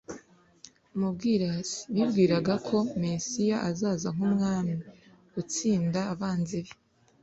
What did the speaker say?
Mu bwirasi, bibwiraga ko Mesiya azaza nk'umwami, utsinda abanzi be,